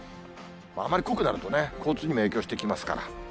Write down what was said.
あまり濃くなるとね、交通にも影響してきますから。